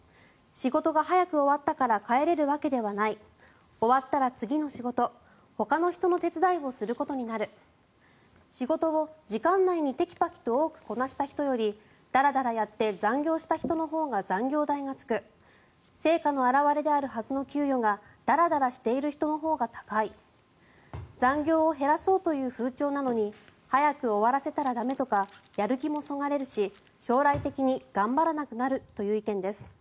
仕事が早く終わったから帰れるわけではない終わったら次の仕事ほかの人の手伝いをすることになる仕事を時間内にテキパキと多くこなした人よりダラダラやって残業した人のほうが残業代がつく成果の表れであるはずの給与がダラダラしている人のほうが高い残業を減らそうという風潮なのに早く終わらせたら駄目とかやる気もそがれるし、将来的に頑張らなくなるという意見です。